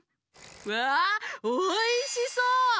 わあおいしそう！